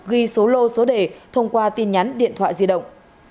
ghi số lô số đề thông qua tin nhắn điện thoại di động